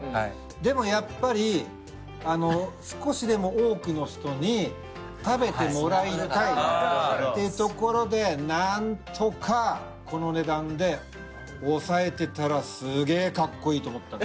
でもやっぱり少しでも多くの人に食べてもらいたいってところで何とかこの値段で抑えてたらすげぇカッコいいと思った。